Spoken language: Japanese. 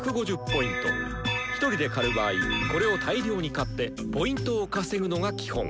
１人で狩る場合「これを大量に狩ってＰを稼ぐ」のが基本。